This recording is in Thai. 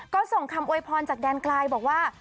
ก็ส่งคำโวยพรจากแดนกลายบอกว่า